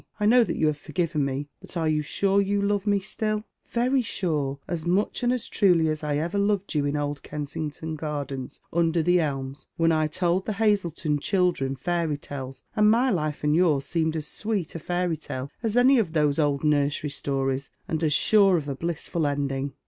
I know that you have forgiven J»e, but are you sm e you love me still ?"" Very sure, — as much and as truly as I ever loved you in old Kensington Gardens, under the elms, when I told the Hazleton children fairy tales, and my life and yours seemed as sweet a fairy tale as any of those old nursery stories, and as sure of A blissful ending."